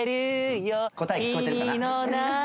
答え聞こえてるかな？